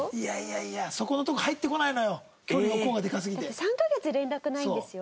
だって３カ月連絡ないんですよ？